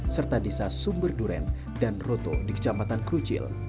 serta desa sumber duren dan roto di kecamatan krucil